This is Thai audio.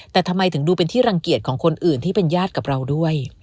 แต่ทำไมถึงดูเป็นที่รังเกียจของคนอื่นที่เป็นญาติกับเราด้วย